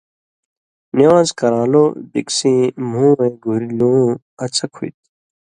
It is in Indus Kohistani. نِوان٘ز کران٘لو بِکسی مھُوں وَیں گھُریۡ لُوں اڅھک ہُوئ تھُو۔